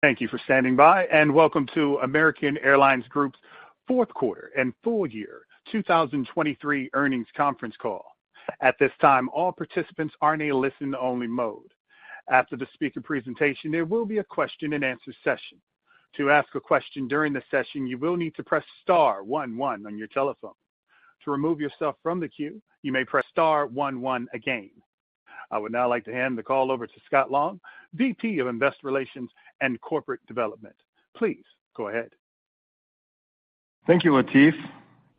Thank you for standing by, and welcome to American Airlines Group's fourth quarter and full year 2023 earnings conference call. At this time, all participants are in a listen-only mode. After the speaker presentation, there will be a question-and-answer session. To ask a question during the session, you will need to press star one one on your telephone. To remove yourself from the queue, you may press star one one again. I would now like to hand the call over to Scott Long, VP of Investor Relations and Corporate Development. Please go ahead. Thank you, Lateef.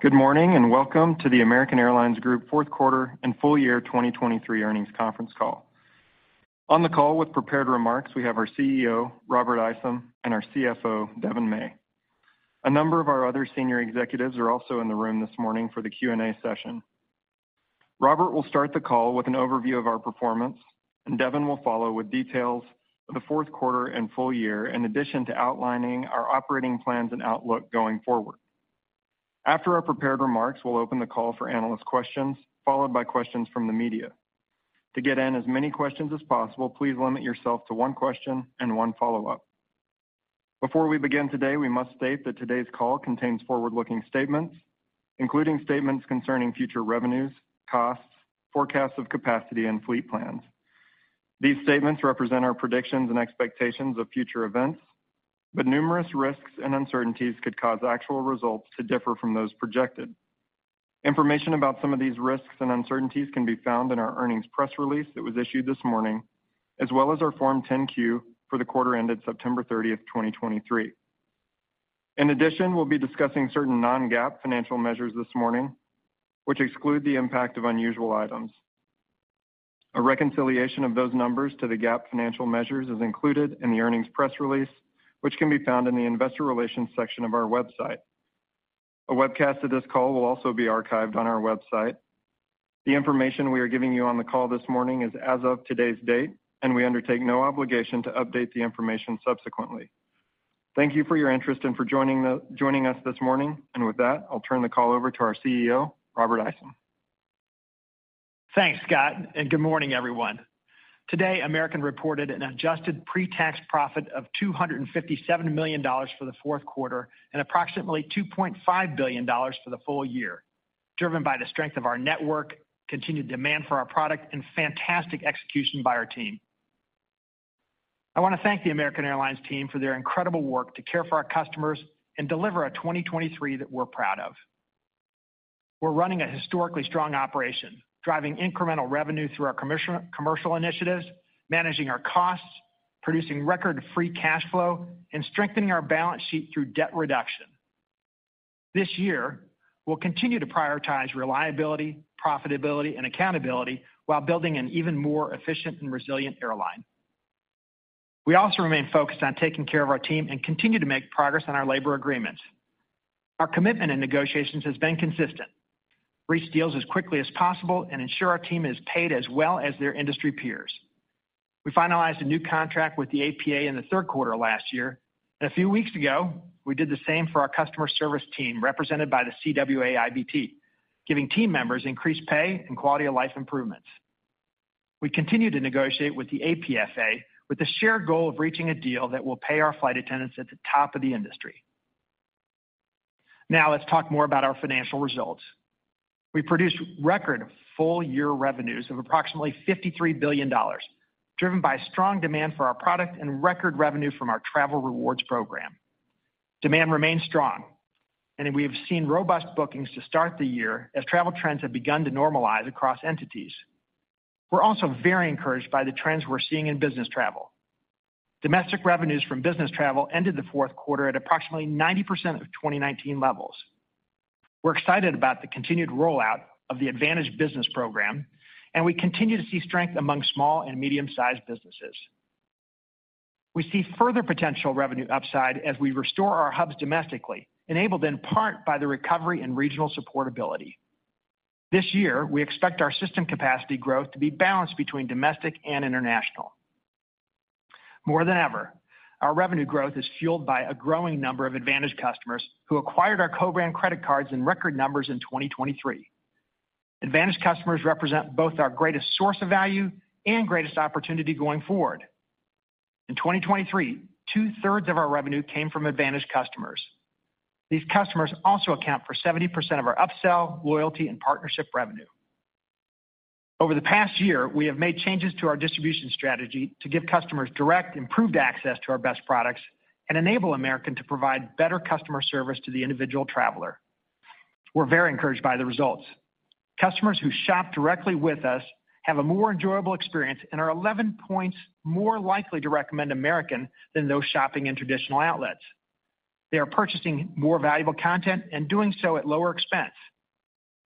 Good morning, and welcome to the American Airlines Group Fourth Quarter and Full Year 2023 Earnings Conference Call. On the call with prepared remarks, we have our CEO, Robert Isom, and our CFO, Devon May. A number of our other senior executives are also in the room this morning for the Q&A session. Robert will start the call with an overview of our performance, and Devon will follow with details of the fourth quarter and full year, in addition to outlining our operating plans and outlook going forward. After our prepared remarks, we'll open the call for analyst questions, followed by questions from the media. To get in as many questions as possible, please limit yourself to one question and one follow-up. Before we begin today, we must state that today's call contains forward-looking statements, including statements concerning future revenues, costs, forecasts of capacity and fleet plans. These statements represent our predictions and expectations of future events, but numerous risks and uncertainties could cause actual results to differ from those projected. Information about some of these risks and uncertainties can be found in our earnings press release that was issued this morning, as well as our Form 10-Q for the quarter ended September 30th, 2023. In addition, we'll be discussing certain non-GAAP financial measures this morning, which exclude the impact of unusual items. A reconciliation of those numbers to the GAAP financial measures is included in the earnings press release, which can be found in the Investor Relations section of our website. A webcast of this call will also be archived on our website. The information we are giving you on the call this morning is as of today's date, and we undertake no obligation to update the information subsequently. Thank you for your interest and for joining us this morning. With that, I'll turn the call over to our CEO, Robert Isom. Thanks, Scott, and good morning, everyone. Today, American reported an adjusted pre-tax profit of $257 million for the fourth quarter and approximately $2.5 billion for the full year, driven by the strength of our network, continued demand for our product and fantastic execution by our team. I want to thank the American Airlines team for their incredible work to care for our customers and deliver a 2023 that we're proud of. We're running a historically strong operation, driving incremental revenue through our commercial, commercial initiatives, managing our costs, producing record-free cash flow, and strengthening our balance sheet through debt reduction. This year, we'll continue to prioritize reliability, profitability, and accountability while building an even more efficient and resilient airline. We also remain focused on taking care of our team and continue to make progress on our labor agreements. Our commitment in negotiations has been consistent: reach deals as quickly as possible and ensure our team is paid as well as their industry peers. We finalized a new contract with the APA in the third quarter last year, and a few weeks ago, we did the same for our customer service team, represented by the CWA-IBT, giving team members increased pay and quality-of-life improvements. We continue to negotiate with the APFA with the shared goal of reaching a deal that will pay our flight attendants at the top of the industry. Now, let's talk more about our financial results. We produced record full-year revenues of approximately $53 billion, driven by strong demand for our product and record revenue from our travel rewards program. Demand remains strong, and we have seen robust bookings to start the year as travel trends have begun to normalize across entities. We're also very encouraged by the trends we're seeing in business travel. Domestic revenues from business travel ended the fourth quarter at approximately 90% of 2019 levels. We're excited about the continued rollout of the AAdvantage Business program, and we continue to see strength among small and medium-sized businesses. We see further potential revenue upside as we restore our hubs domestically, enabled in part by the recovery in regional supportability. This year, we expect our system capacity growth to be balanced between domestic and international. More than ever, our revenue growth is fueled by a growing number of AAdvantage customers who acquired our co-brand credit cards in record numbers in 2023. AAdvantage customers represent both our greatest source of value and greatest opportunity going forward. In 2023, two-thirds of our revenue came from AAdvantage customers. These customers also account for 70% of our upsell, loyalty, and partnership revenue. Over the past year, we have made changes to our distribution strategy to give customers direct, improved access to our best products and enable American to provide better customer service to the individual traveler. We're very encouraged by the results. Customers who shop directly with us have a more enjoyable experience and are 11 points more likely to recommend American than those shopping in traditional outlets. They are purchasing more valuable content and doing so at lower expense.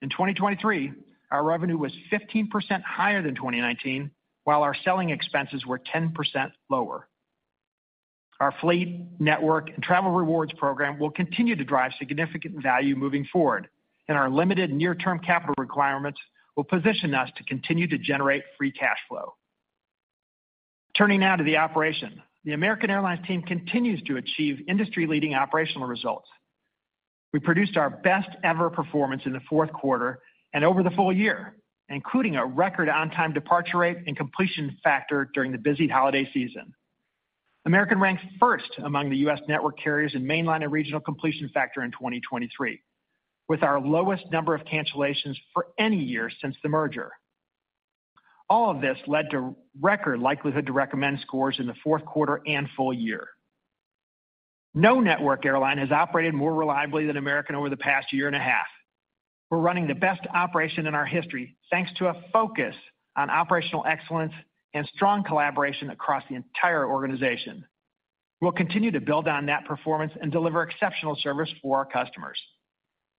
In 2023, our revenue was 15% higher than 2019, while our selling expenses were 10% lower. Our fleet, network, and travel rewards program will continue to drive significant value moving forward, and our limited near-term capital requirements will position us to continue to generate free cash flow. Turning now to the operation. The American Airlines team continues to achieve industry-leading operational results. We produced our best ever performance in the fourth quarter and over the full year, including a record on-time departure rate and completion factor during the busy holiday season. American ranked first among the U.S. network carriers in mainline and regional completion factor in 2023, with our lowest number of cancellations for any year since the merger. All of this led to record likelihood to recommend scores in the fourth quarter and full year. No network airline has operated more reliably than American over the past year and a half. We're running the best operation in our history, thanks to a focus on operational excellence and strong collaboration across the entire organization. We'll continue to build on that performance and deliver exceptional service for our customers.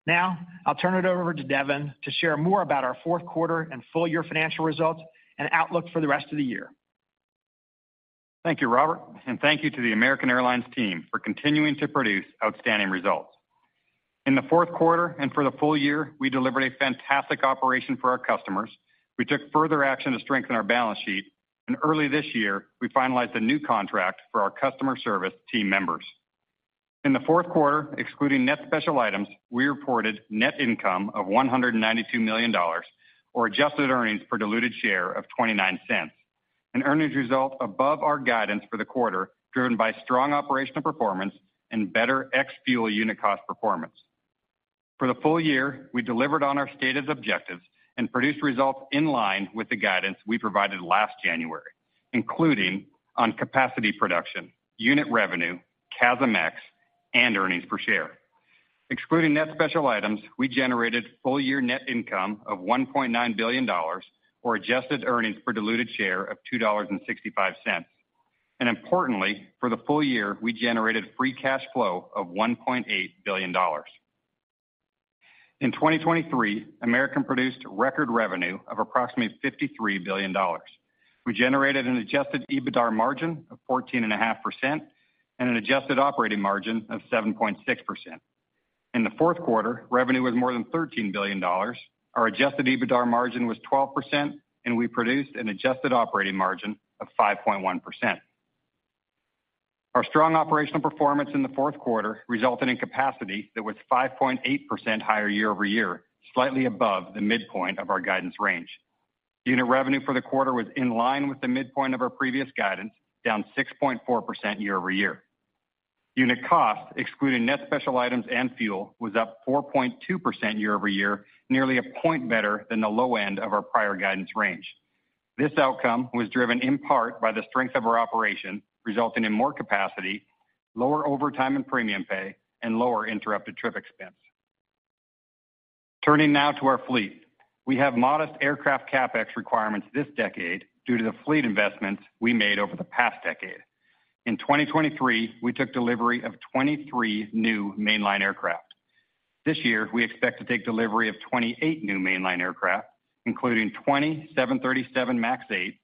Now, I'll turn it over to Devon to share more about our fourth quarter and full year financial results and outlook for the rest of the year. Thank you, Robert, and thank you to the American Airlines team for continuing to produce outstanding results. In the fourth quarter and for the full year, we delivered a fantastic operation for our customers. We took further action to strengthen our balance sheet, and early this year, we finalized a new contract for our customer service team members. In the fourth quarter, excluding net special items, we reported net income of $192 million or adjusted earnings per diluted share of $0.29, an earnings result above our guidance for the quarter, driven by strong operational performance and better ex-fuel unit cost performance. For the full year, we delivered on our stated objectives and produced results in line with the guidance we provided last January, including on capacity production, unit revenue, CASM-ex, and earnings per share. Excluding net special items, we generated full-year net income of $1.9 billion or adjusted earnings per diluted share of $2.65. Importantly, for the full year, we generated free cash flow of $1.8 billion. In 2023, American produced record revenue of approximately $53 billion. We generated an adjusted EBITDAR margin of 14.5% and an adjusted operating margin of 7.6%. In the fourth quarter, revenue was more than $13 billion, our adjusted EBITDAR margin was 12%, and we produced an adjusted operating margin of 5.1%. Our strong operational performance in the fourth quarter resulted in capacity that was 5.8% higher year-over-year, slightly above the midpoint of our guidance range. Unit revenue for the quarter was in line with the midpoint of our previous guidance, down 6.4% year-over-year. Unit cost, excluding net special items and fuel, was up 4.2% year-over-year, nearly a point better than the low end of our prior guidance range. This outcome was driven in part by the strength of our operation, resulting in more capacity, lower overtime and premium pay, and lower interrupted trip expense. Turning now to our fleet. We have modest aircraft CapEx requirements this decade due to the fleet investments we made over the past decade. In 2023, we took delivery of 23 new mainline aircraft. This year, we expect to take delivery of 28 new mainline aircraft, including 27 737 MAX 8,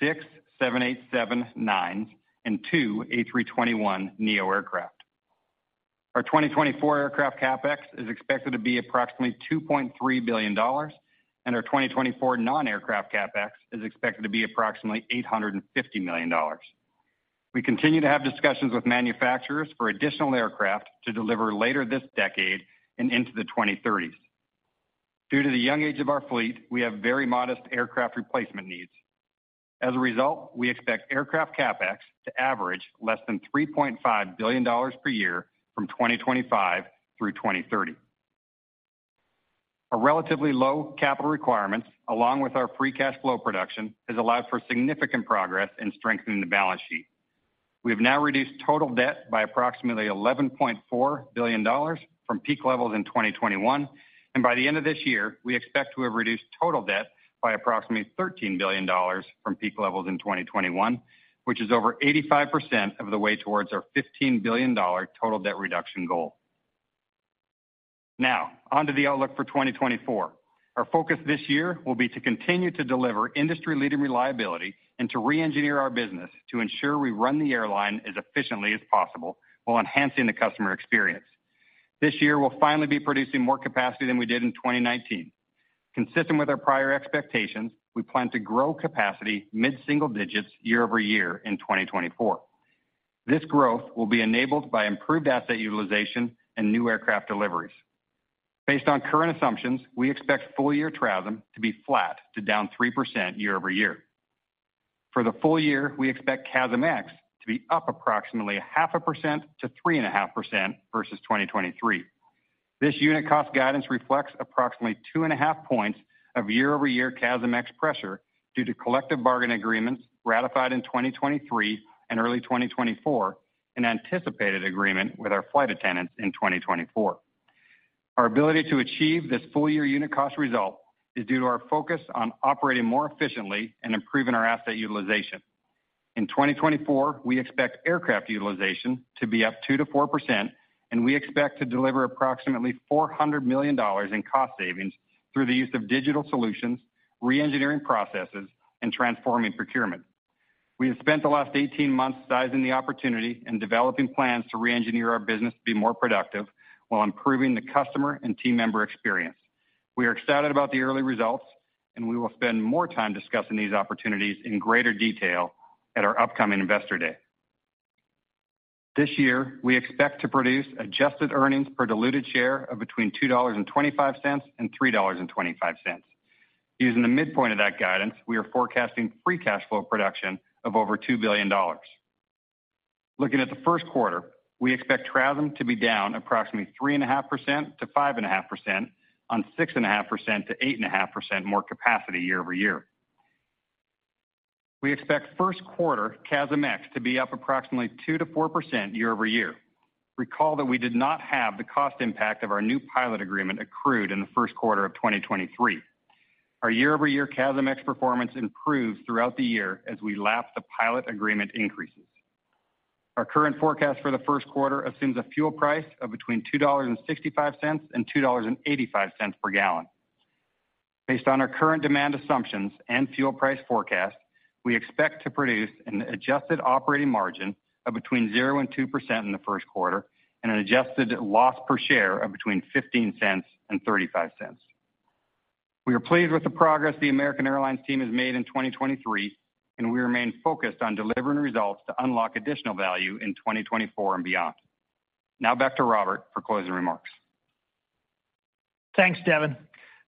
6 787-9, and 2 A321neo aircraft. Our 2024 aircraft CapEx is expected to be approximately $2.3 billion, and our 2024 non-aircraft CapEx is expected to be approximately $850 million. We continue to have discussions with manufacturers for additional aircraft to deliver later this decade and into the 2030s. Due to the young age of our fleet, we have very modest aircraft replacement needs. As a result, we expect aircraft CapEx to average less than $3.5 billion per year from 2025 through 2030. Our relatively low capital requirements, along with our free cash flow production, has allowed for significant progress in strengthening the balance sheet. We have now reduced total debt by approximately $11.4 billion from peak levels in 2021, and by the end of this year, we expect to have reduced total debt by approximately $13 billion from peak levels in 2021, which is over 85% of the way towards our $15 billion total debt reduction goal. Now, onto the outlook for 2024. Our focus this year will be to continue to deliver industry-leading reliability and to reengineer our business to ensure we run the airline as efficiently as possible while enhancing the customer experience. This year, we'll finally be producing more capacity than we did in 2019. Consistent with our prior expectations, we plan to grow capacity mid-single digits year over year in 2024. This growth will be enabled by improved asset utilization and new aircraft deliveries. Based on current assumptions, we expect full-year TRASM to be flat to down 3% year-over-year. For the full year, we expect CASM-ex to be up approximately 0.5%-3.5% versus 2023. This unit cost guidance reflects approximately 2.5 points of year-over-year CASM-ex pressure due to collective bargain agreements ratified in 2023 and early 2024, an anticipated agreement with our flight attendants in 2024. Our ability to achieve this full-year unit cost result is due to our focus on operating more efficiently and improving our asset utilization. In 2024, we expect aircraft utilization to be up 2%-4%, and we expect to deliver approximately $400 million in cost savings through the use of digital solutions, reengineering processes, and transforming procurement. We have spent the last 18 months sizing the opportunity and developing plans to reengineer our business to be more productive while improving the customer and team member experience. We are excited about the early results, and we will spend more time discussing these opportunities in greater detail at our upcoming Investor Day. This year, we expect to produce adjusted earnings per diluted share of between $2.25 and $3.25. Using the midpoint of that guidance, we are forecasting free cash flow production of over $2 billion. Looking at the first quarter, we expect travel to be down approximately 3.5%-5.5% on 6.5%-8.5% more capacity year-over-year. We expect first quarter CASM ex to be up approximately 2%-4% year-over-year. Recall that we did not have the cost impact of our new pilot agreement accrued in the first quarter of 2023. Our year-over-year CASM ex performance improves throughout the year as we lap the pilot agreement increases. Our current forecast for the first quarter assumes a fuel price of between $2.65 and $2.85 per gallon. Based on our current demand assumptions and fuel price forecast, we expect to produce an adjusted operating margin of between 0% and 2% in the first quarter and an adjusted loss per share of between $0.15 and $0.35. We are pleased with the progress the American Airlines team has made in 2023, and we remain focused on delivering results to unlock additional value in 2024 and beyond. Now back to Robert for closing remarks. Thanks, Devon.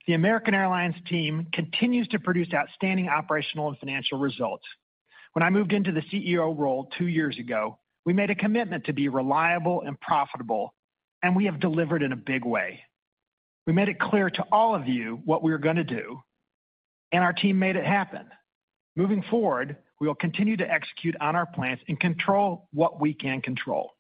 The American Airlines team continues to produce outstanding operational and financial results. When I moved into the CEO role two years ago, we made a commitment to be reliable and profitable, and we have delivered in a big way. We made it clear to all of you what we are gonna do, and our team made it happen. Moving forward, we will continue to execute on our plans and control what we can control.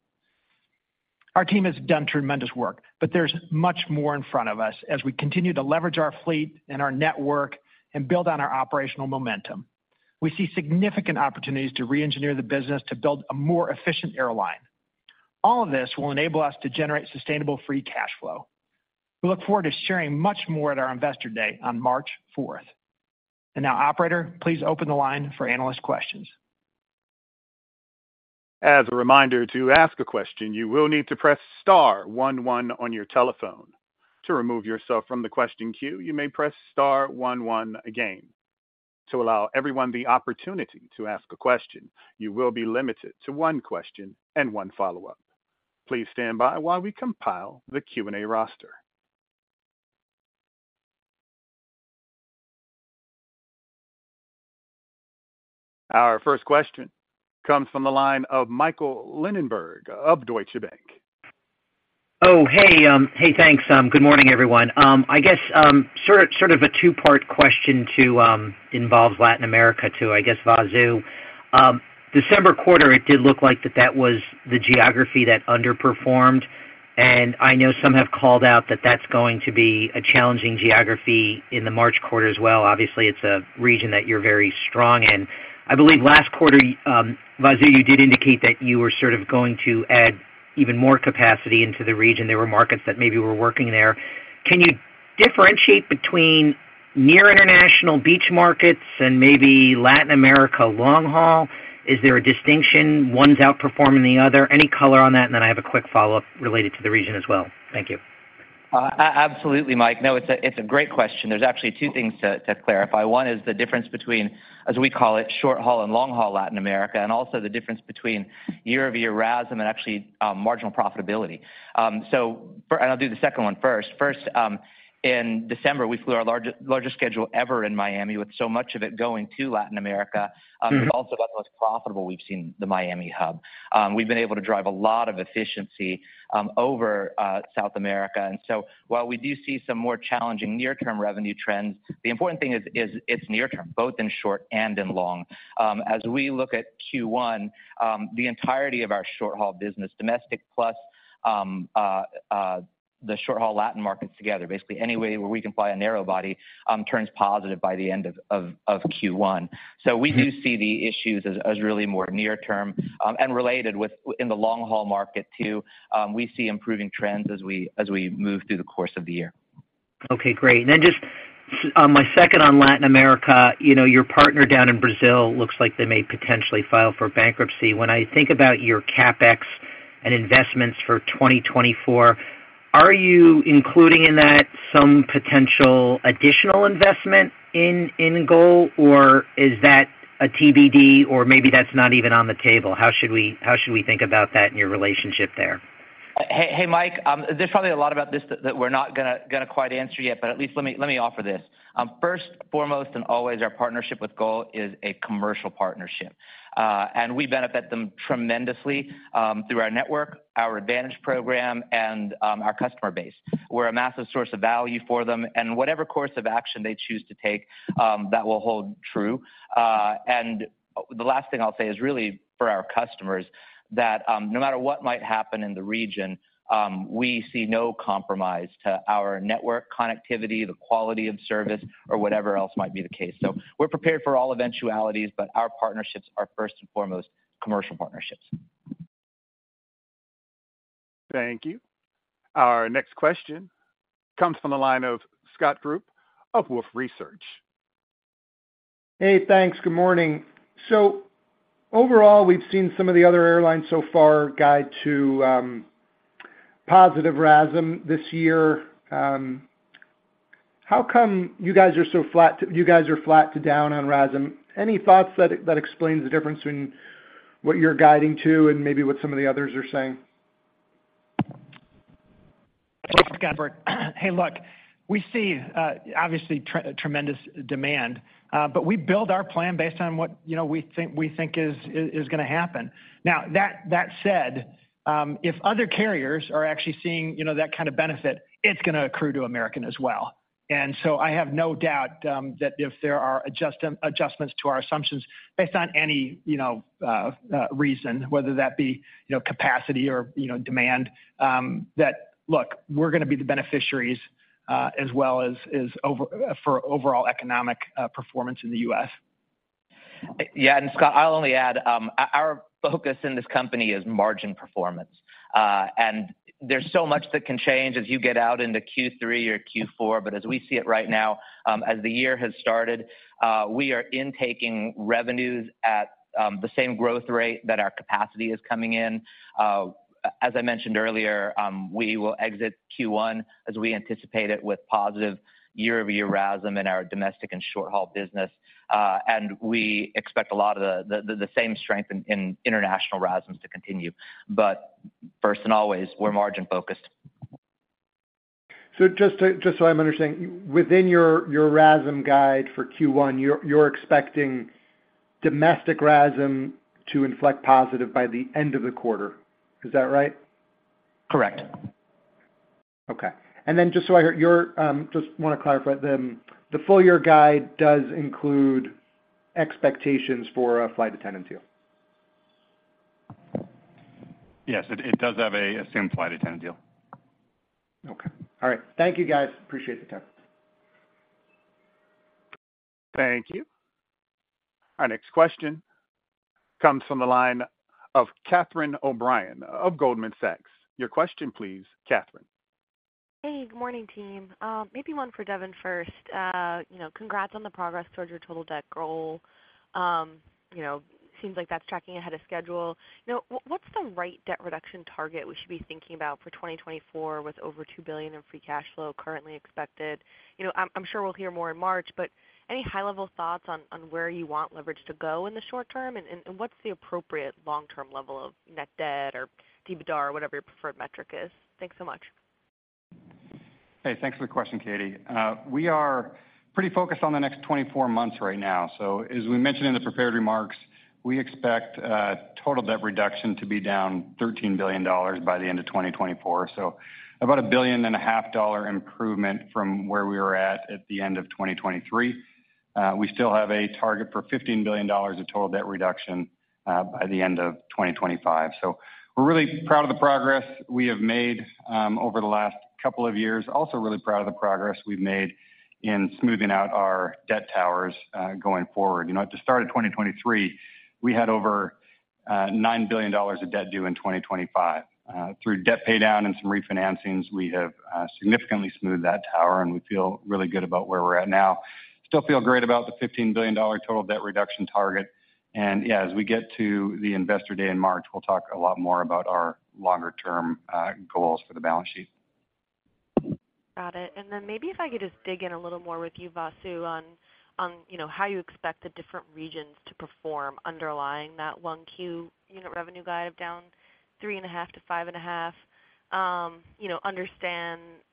Our team has done tremendous work, but there's much more in front of us as we continue to leverage our fleet and our network and build on our operational momentum. We see significant opportunities to reengineer the business to build a more efficient airline. All of this will enable us to generate sustainable free cash flow. We look forward to sharing much more at our Investor Day on March fourth. Now, operator, please open the line for analyst questions. As a reminder, to ask a question, you will need to press star one one on your telephone. To remove yourself from the question queue, you may press star one one again. To allow everyone the opportunity to ask a question, you will be limited to one question and one follow-up. Please stand by while we compile the Q&A roster. Our first question comes from the line of Michael Linenberg of Deutsche Bank. Oh, hey. Hey, thanks. Good morning, everyone. I guess, sort of a two-part question that involves Latin America, too, I guess, Vasu. December quarter, it did look like that was the geography that underperformed, and I know some have called out that that's going to be a challenging geography in the March quarter as well. Obviously, it's a region that you're very strong in. I believe last quarter, Vasu, you did indicate that you were sort of going to add even more capacity into the region. There were markets that maybe were working there. Can you differentiate between near international beach markets and maybe Latin America long haul? Is there a distinction, one's outperforming the other? Any color on that, and then I have a quick follow-up related to the region as well. Thank you. Absolutely, Mike. No, it's a great question. There's actually two things to clarify. One is the difference between, as we call it, short-haul and long-haul Latin America, and also the difference between year-over-year RASM and actually, marginal profitability. And I'll do the second one first. First, in December, we flew our largest schedule ever in Miami, with so much of it going to Latin America. It also got the most profitable we've seen the Miami hub. We've been able to drive a lot of efficiency over South America. And so while we do see some more challenging near-term revenue trends, the important thing is it's near term, both in short and in long. As we look at Q1, the entirety of our short-haul business, domestic, plus, the short-haul Latin markets together, basically any way where we can fly a narrow body, turns positive by the end of Q1. So we do see the issues as really more near term, and related within the long-haul market too. We see improving trends as we move through the course of the year. Okay, great. Then just my second on Latin America. You know, your partner down in Brazil looks like they may potentially file for bankruptcy. When I think about your CapEx and investments for 2024, are you including in that some potential additional investment in GOL, or is that a TBD, or maybe that's not even on the table? How should we think about that and your relationship there? Hey, hey, Mike, there's probably a lot about this that we're not gonna quite answer yet, but at least let me offer this. First, foremost, and always, our partnership with GOL is a commercial partnership, and we benefit them tremendously through our network, our AAdvantage program, and our customer base. We're a massive source of value for them, and whatever course of action they choose to take, that will hold true. And the last thing I'll say is really for our customers, that no matter what might happen in the region, we see no compromise to our network connectivity, the quality of service, or whatever else might be the case. So we're prepared for all eventualities, but our partnerships are first and foremost commercial partnerships. Thank you. Our next question comes from the line of Scott Group of Wolfe Research. Hey, thanks. Good morning. So overall, we've seen some of the other airlines so far guide to positive RASM this year. How come you guys are so flat to you guys are flat to down on RASM? Any thoughts that explains the difference between what you're guiding to and maybe what some of the others are saying? Thanks, Scott Group. Hey, look, we see, obviously, tremendous demand, but we build our plan based on what, you know, we think is gonna happen. Now, that said, if other carriers are actually seeing, you know, that kind of benefit, it's gonna accrue to American as well. And so I have no doubt that if there are adjustments to our assumptions based on any, you know, reason, whether that be, you know, capacity or, you know, demand, that, look, we're gonna be the beneficiaries, as well as for overall economic performance in the U.S. Yeah, and Scott, I'll only add, our focus in this company is margin performance. And there's so much that can change as you get out into Q3 or Q4. But as we see it right now, as the year has started, we are intaking revenues at the same growth rate that our capacity is coming in. As I mentioned earlier, we will exit Q1 as we anticipate it with positive year-over-year RASM in our domestic and short-haul business. And we expect a lot of the same strength in international RASMs to continue. But first and always, we're margin-focused. So just so I'm understanding, within your RASM guide for Q1, you're expecting domestic RASM to inflect positive by the end of the quarter. Is that right? Correct. Okay. And then just so I hear, just wanna clarify, the full year guide does include expectations for a flight attendant deal? Yes, it does have an assumed flight attendant deal. Okay. All right. Thank you, guys. Appreciate the time. Thank you. Our next question comes from the line of Catherine O'Brien of Goldman Sachs. Your question, please, Catherine. Hey, good morning, team. Maybe one for Devon first. You know, congrats on the progress towards your total debt goal. You know, seems like that's tracking ahead of schedule. You know, what's the right debt reduction target we should be thinking about for 2024, with over $2 billion in free cash flow currently expected? You know, I'm sure we'll hear more in March, but any high-level thoughts on where you want leverage to go in the short term? And what's the appropriate long-term level of net debt or EBITDA or whatever your preferred metric is? Thanks so much. Hey, thanks for the question, Katie. We are pretty focused on the next 24 months right now. So as we mentioned in the prepared remarks, we expect total debt reduction to be down $13 billion by the end of 2024, so about a $1.5 billion improvement from where we were at the end of 2023. We still have a target for $15 billion of total debt reduction by the end of 2025. So we're really proud of the progress we have made over the last couple of years. Also really proud of the progress we've made in smoothing out our debt towers going forward. You know, at the start of 2023, we had over $9 billion of debt due in 2025. Through debt paydown and some refinancings, we have significantly smoothed that tower, and we feel really good about where we're at now. Still feel great about the $15 billion total debt reduction target, and yeah, as we get to the Investor Day in March, we'll talk a lot more about our longer-term goals for the balance sheet. Got it. And then maybe if I could just dig in a little more with you, Vasu, on, on, you know, how you expect the different regions to perform underlying that 1Q unit revenue guide, down 3.5-5.5. You know, understand what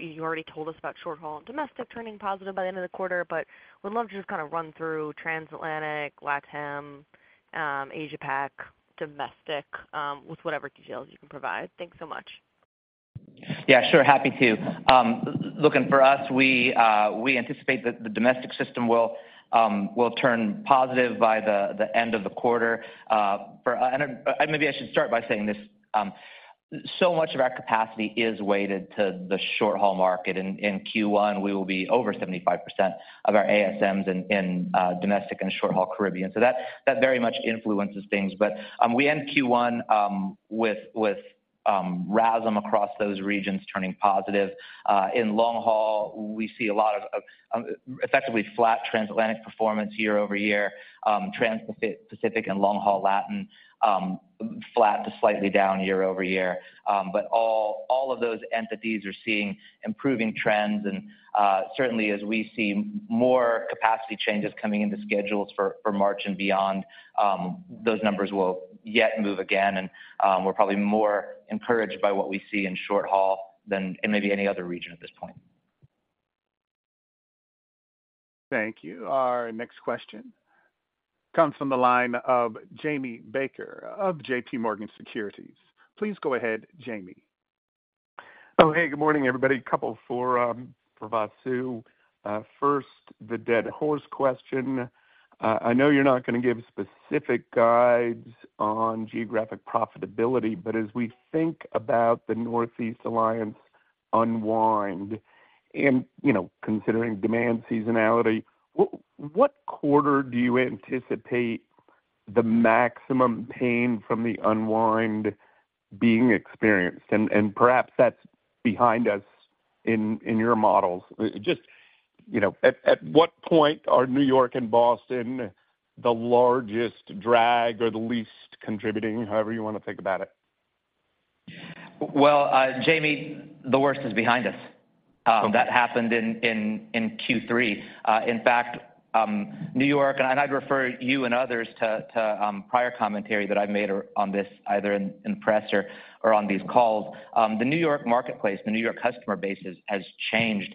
you already told us about short-haul and domestic turning positive by the end of the quarter, but would love to just kind of run through transatlantic, LATAM, Asia-Pac, domestic, with whatever details you can provide. Thanks so much. Yeah, sure, happy to. Look, for us, we anticipate that the domestic system will turn positive by the end of the quarter. And maybe I should start by saying this, so much of our capacity is weighted to the short-haul market. In Q1, we will be over 75% of our ASMs in domestic and short-haul Caribbean. So that very much influences things. But we end Q1 with RASM across those regions turning positive. In long haul, we see a lot of effectively flat transatlantic performance year-over-year, transpacific and long-haul Latin flat to slightly down year-over-year. But all of those entities are seeing improving trends, and certainly as we see more capacity changes coming into schedules for March and beyond, those numbers will yet move again. We're probably more encouraged by what we see in short haul than in maybe any other region at this point. Thank you. Our next question comes from the line of Jamie Baker of JPMorgan Securities. Please go ahead, Jamie. Oh, hey, good morning, everybody. A couple for, for Vasu. First, the dead horse question. I know you're not gonna give specific guides on geographic profitability, but as we think about the Northeast Alliance unwind and, you know, considering demand seasonality, what quarter do you anticipate the maximum pain from the unwind being experienced, and perhaps that's behind us in your models? Just, you know, at what point are New York and Boston the largest drag or the least contributing? However you wanna think about it. Well, Jamie, the worst is behind us. Okay. That happened in Q3. In fact, New York, and I'd refer you and others to prior commentary that I've made on this, either in press or on these calls. The New York marketplace, the New York customer base has changed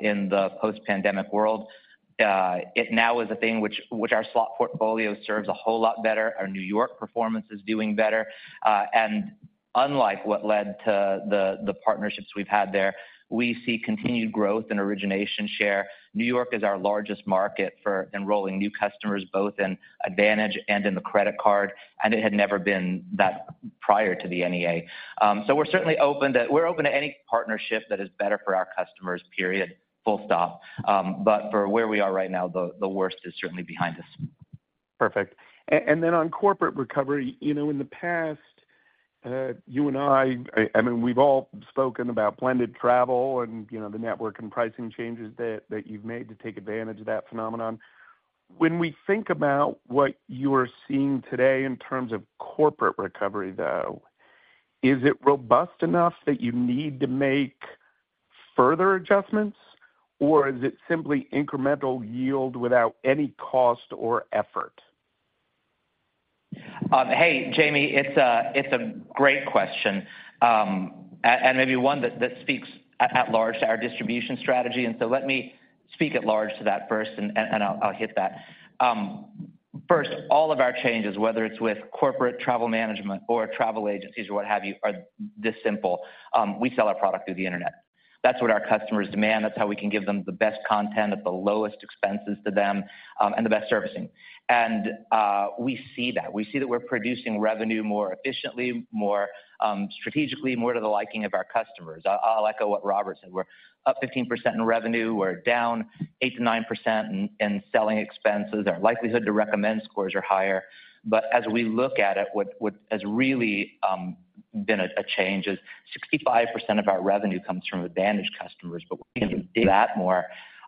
in the post-pandemic world. It now is a thing which our slot portfolio serves a whole lot better. Our New York performance is doing better. And unlike what led to the partnerships we've had there, we see continued growth in origination share. New York is our largest market for enrolling new customers, both in Advantage and in the credit card, and it had never been that prior to the NEA. So we're certainly open to any partnership that is better for our customers, period, full stop. But for where we are right now, the worst is certainly behind us. Perfect. And then on corporate recovery, you know, in the past, you and I, I mean, we've all spoken about blended travel and, you know, the network and pricing changes that you've made to take advantage of that phenomenon. When we think about what you are seeing today in terms of corporate recovery, though, is it robust enough that you need to make further adjustments, or is it simply incremental yield without any cost or effort? Hey, Jamie, it's a great question, and maybe one that speaks at large to our distribution strategy, so let me speak at large to that first, and I'll hit that. First, all of our changes, whether it's Vasu's with corporate travel management or travel agencies or what have you, are this simple: We sell our product through the internet. That's what our customers demand. That's how we can give them the best content at the lowest expenses to them, and the best servicing. And we see that. We see that we're producing revenue more efficiently, more strategically, more to the liking of our customers. I'll echo what Robert said. We're up 15% in revenue. We're down 8%-9% in selling expenses. Our likelihood to recommend scores are higher. But as we look at it, what has really been a change is 65% of our revenue comes from Advantage customers, but we can do that more.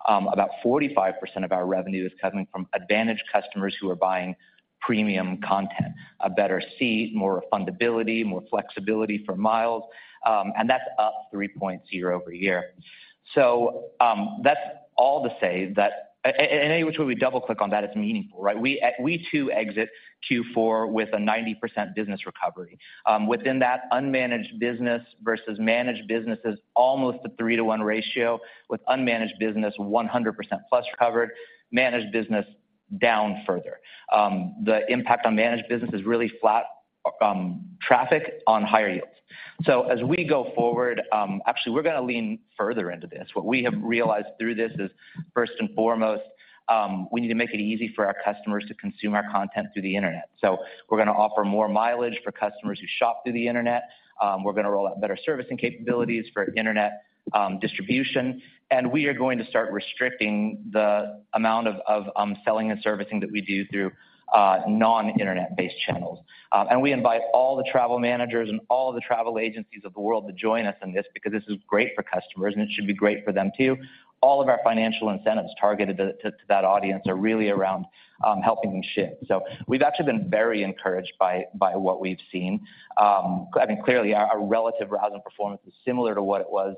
About 45% of our revenue is coming from Advantage customers who are buying premium content, a better seat, more refundability, more flexibility for miles, and that's up 3.0 year-over-year. So, that's all to say that. And any which way we double-click on that, it's meaningful, right? We too exit Q4 with a 90% business recovery. Within that, unmanaged business versus managed business is almost a 3-to-1 ratio, with unmanaged business 100%+ recovered, managed business down further. The impact on managed business is really flat, traffic on higher yields. So as we go forward, actually, we're gonna lean further into this. What we have realized through this is, first and foremost, we need to make it easy for our customers to consume our content through the internet. So we're gonna offer more mileage for customers who shop through the internet. We're gonna roll out better servicing capabilities for internet distribution, and we are going to start restricting the amount of selling and servicing that we do through non-internet-based channels. And we invite all the travel managers and all the travel agencies of the world to join us in this, because this is great for customers, and it should be great for them, too. All of our financial incentives targeted to that audience are really around helping them shift. So we've actually been very encouraged by what we've seen. I mean, clearly, our relative revenue performance is similar to what it was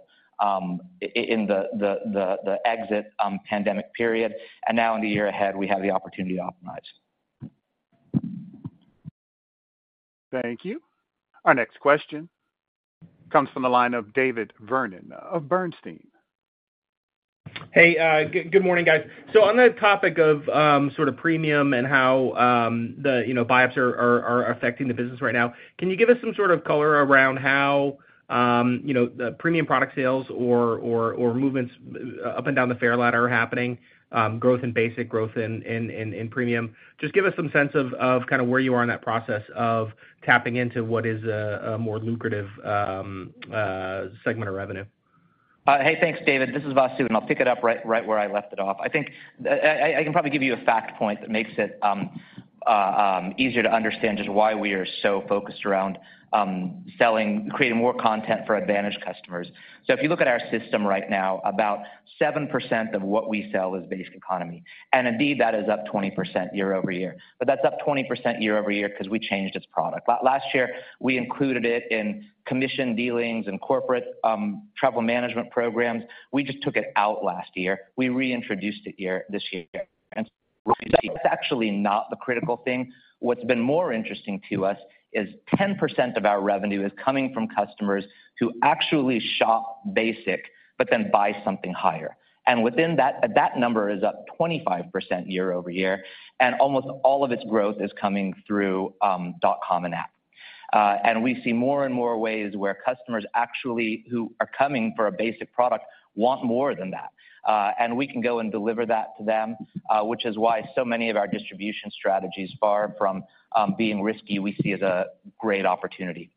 in the exit pandemic period, and now in the year ahead, we have the opportunity to optimize. Thank you. Our next question comes from the line of David Vernon of Bernstein. Hey, good morning, guys. So on the topic of sort of premium and how the you know, buy-ups are affecting the business right now, can you give us some sort of color around how you know, the premium product sales or movements up and down the fare ladder are happening, growth in basic, growth in premium? Just give us some sense of kind of where you are in that process of tapping into what is a more lucrative segment of revenue. Hey, thanks, David. This is Vasu, and I'll pick it up right where I left it off. I think I can probably give you a fact point that makes it easier to understand just why we are so focused around selling, creating more content for Advantage customers. So if you look at our system right now, about 7% of what we sell is basic economy, and indeed, that is up 20% year-over-year. But that's up 20% year-over-year because we changed its product. Last year, we included it in commission dealings and corporate travel management programs. We just took it out last year. We reintroduced it this year, and that's actually not the critical thing. What's been more interesting to us is 10% of our revenue is coming from customers who actually shop basic, but then buy something higher. And within that, that number is up 25% year-over-year, and almost all of its growth is coming through dot com and app. And we see more and more ways where customers actually, who are coming for a basic product, want more than that, and we can go and deliver that to them, which is why so many of our distribution strategies, far from, being risky, we see as a great opportunity.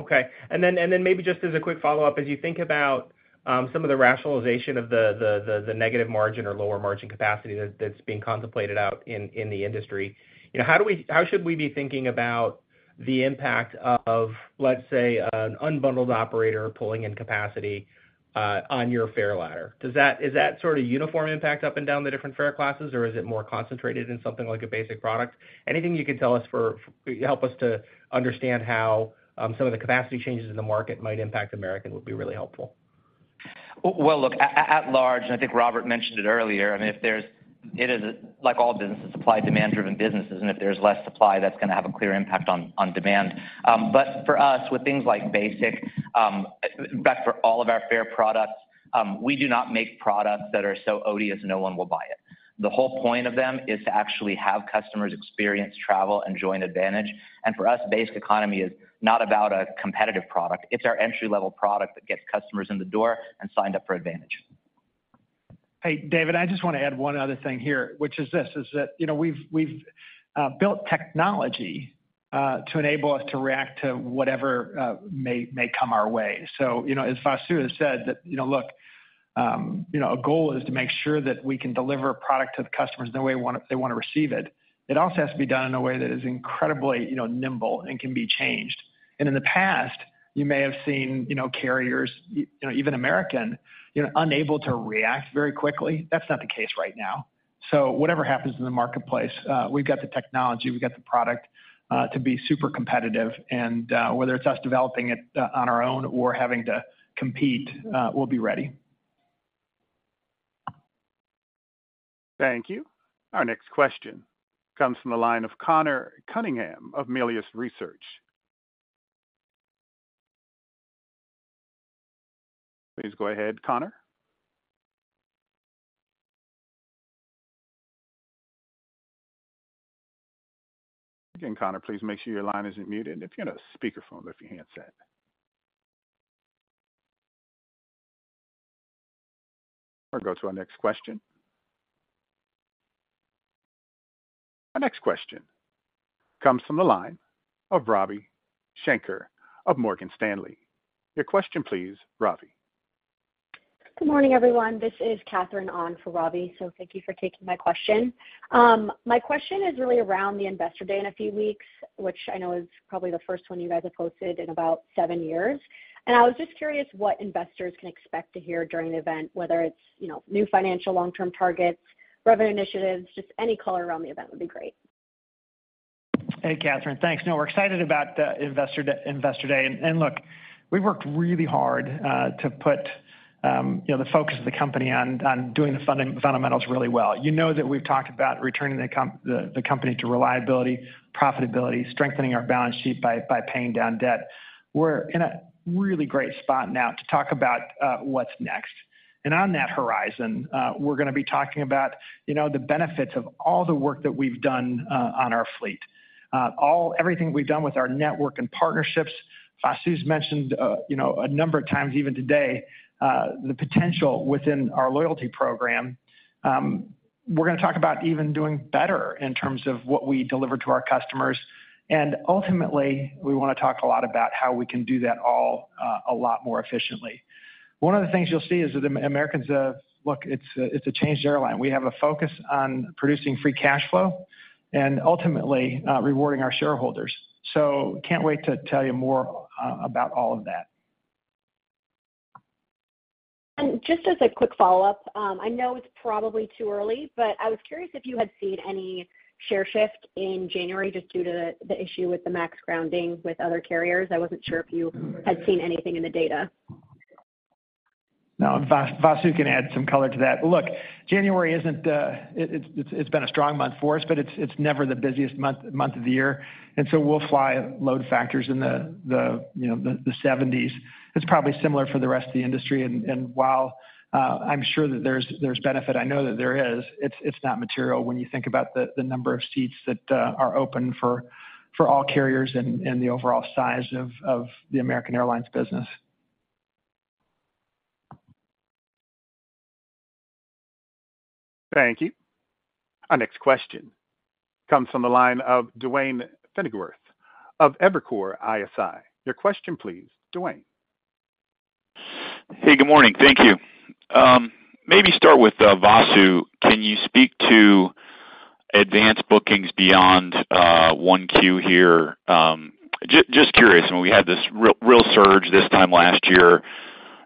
Okay. And then maybe just as a quick follow-up, as you think about some of the rationalization of the negative margin or lower margin capacity that's being contemplated out in the industry, you know, how do we how should we be thinking about the impact of, let's say, an unbundled operator pulling in capacity on your fare ladder? Does that is that sort of uniform impact up and down the different fare classes, or is it more concentrated in something like a basic product? Anything you can tell us to help us understand how some of the capacity changes in the market might impact American would be really helpful. Well, look at large, and I think Robert mentioned it earlier. I mean, it is, like all businesses, supply-demand driven businesses, and if there's less supply, that's gonna have a clear impact on demand. But for us, with things like basic, in fact, for all of our fare products, we do not make products that are so odious, no one will buy it. The whole point of them is to actually have customers experience travel and join Advantage. And for us, Basic Economy is not about a competitive product. It's our entry-level product that gets customers in the door and signed up for Advantage. Hey, David, I just want to add one other thing here, which is this, is that, you know, we've built technology to enable us to react to whatever may come our way. So, you know, as Vasu has said, that, you know, look, you know, our goal is to make sure that we can deliver a product to the customers the way they want to receive it. It also has to be done in a way that is incredibly, you know, nimble and can be changed. And in the past, you may have seen, you know, carriers, you know, even American, you know, unable to react very quickly. That's not the case right now. So whatever happens in the marketplace, we've got the technology, we've got the product to be super competitive, and whether it's us developing it on our own or having to compete, we'll be ready. Thank you. Our next question comes from the line of Connor Cunningham of Melius Research. Please go ahead, Connor. Again, Connor, please make sure your line isn't muted, if you're on a speakerphone, lift your handset. Or go to our next question. Our next question comes from the line of Ravi Shanker of Morgan Stanley. Your question, please, Ravi. Good morning, everyone. This is Catherine on for Ravi, so thank you for taking my question. My question is really around the Investor Day in a few weeks, which I know is probably the first one you guys have posted in about seven years. And I was just curious what investors can expect to hear during the event, whether it's, you know, new financial long-term targets, revenue initiatives, just any color around the event would be great. Hey, Catherine, thanks. No, we're excited about the Investor Day. And look, we've worked really hard to put, you know, the focus of the company on doing the fundamentals really well. You know that we've talked about returning the company to reliability, profitability, strengthening our balance sheet by paying down debt. We're in a really great spot now to talk about what's next. And on that horizon, we're gonna be talking about, you know, the benefits of all the work that we've done on our fleet. Everything we've done with our network and partnerships. Vasu's mentioned, you know, a number of times, even today, the potential within our loyalty program. We're gonna talk about even doing better in terms of what we deliver to our customers. And ultimately, we want to talk a lot about how we can do that all, a lot more efficiently. One of the things you'll see is that American's a Look, it's a, it's a changed airline. We have a focus on producing free cash flow and ultimately, rewarding our shareholders. So can't wait to tell you more, about all of that. Just as a quick follow-up, I know it's probably too early, but I was curious if you had seen any share shift in January, just due to the issue with the MAX grounding with other carriers. I wasn't sure if you had seen anything in the data. No, Vasu can add some color to that. Look, January isn't it; it's been a strong month for us, but it's never the busiest month of the year. And so we'll fly load factors in the, you know, the 70s. It's probably similar for the rest of the industry, and while I'm sure that there's benefit, I know that there is, it's not material when you think about the number of seats that are open for all carriers and the overall size of the American Airlines business. Thank you. Our next question comes from the line of Duane Pfennigwerth of Evercore ISI. Your question, please, Duane. Hey, good morning. Thank you. Maybe start with Vasu. Can you speak to advanced bookings beyond 1Q here? Just curious, when we had this real, real surge this time last year,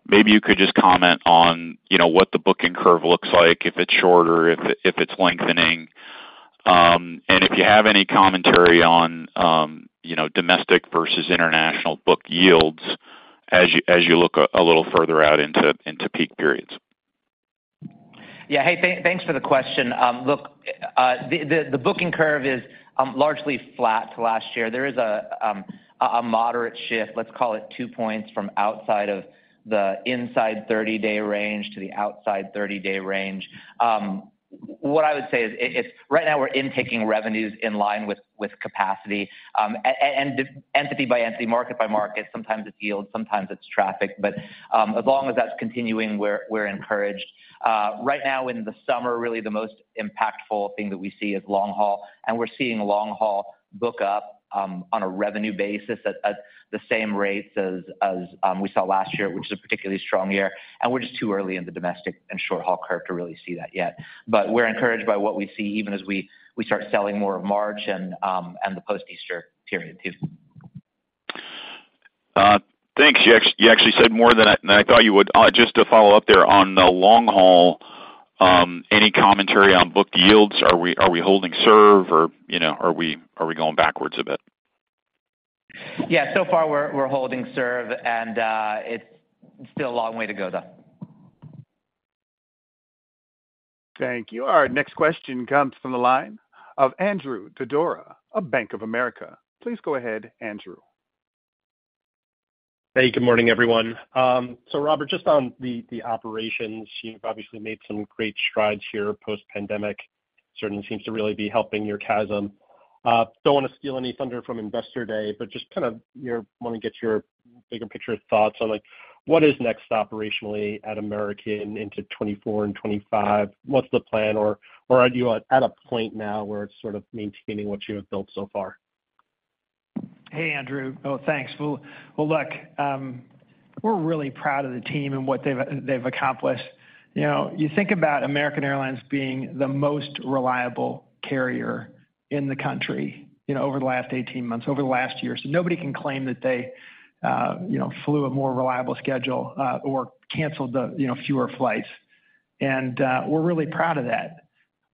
maybe you could just comment on, you know, what the booking curve looks like, if it's shorter, if it, if it's lengthening. And if you have any commentary on, you know, domestic versus international book yields as you, as you look a little further out into peak periods. Yeah. Hey, thanks for the question. Look, the booking curve is largely flat to last year. There is a moderate shift, let's call it two points from outside of the inside 30-day range to the outside 30-day range. What I would say is right now we're intaking revenues in line with capacity, and entity by entity, market by market, sometimes it's yield, sometimes it's traffic. But as long as that's continuing, we're encouraged. Right now in the summer, really the most impactful thing that we see is long-haul, and we're seeing long-haul book up on a revenue basis at the same rates as we saw last year, which is a particularly strong year, and we're just too early in the domestic and short-haul curve to really see that yet. But we're encouraged by what we see, even as we start selling more of March and the post-Easter period too. Thanks. You actually said more than I thought you would. Just to follow up there, on the long haul, any commentary on booked yields? Are we holding serve, or, you know, are we going backwards a bit? Yeah, so far we're holding serve, and it's still a long way to go, though. Thank you. Our next question comes from the line of Andrew Didora of Bank of America. Please go ahead, Andrew. Hey, good morning, everyone. So Robert, just on the, the operations, you've obviously made some great strides here post-pandemic. Certainly seems to really be helping your CASM. Don't want to steal any thunder from Investor Day, but just kind of want to get your bigger picture thoughts on, like, what is next operationally at American into 2024 and 2025? What's the plan? Or are you at a point now where it's sort of maintaining what you have built so far? Hey, Andrew. Oh, thanks. Well, well, look, we're really proud of the team and what they've accomplished. You know, you think about American Airlines being the most reliable carrier in the country, you know, over the last 18 months, over the last year. So nobody can claim that they, you know, flew a more reliable schedule, or canceled fewer flights, and, we're really proud of that.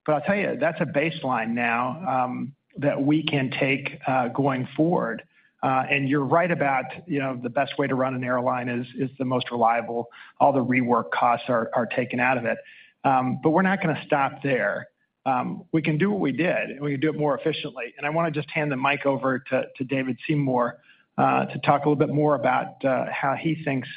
But I'll tell you, that's a baseline now, that we can take, going forward. And you're right about, you know, the best way to run an airline is the most reliable. All the rework costs are taken out of it. But we're not gonna stop there. We can do what we did, and we can do it more efficiently. I wanna just hand the mic over to David Seymour to talk a little bit more about how he thinks